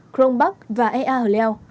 crong bắc và ea hờ leo